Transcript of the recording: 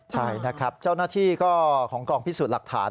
ใช่นะครับเจ้าหน้าที่ก็ของกองพิสูจน์หลักฐาน